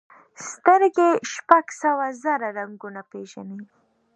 سترګې شپږ سوه زره رنګونه پېژني.